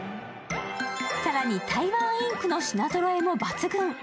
更に台湾インクの品ぞろえも抜群。